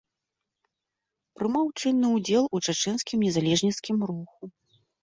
Прымаў чынны ўдзел у чачэнскім незалежніцкім руху.